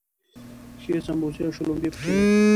ښې سمبوسې او شلومبې پکې وي.